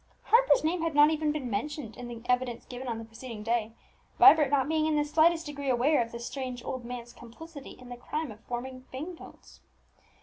Harper's name had not even been mentioned in the evidence given on the preceding day, Vibert not being in the slightest degree aware of the strange old man's complicity in the crime of forging bank notes.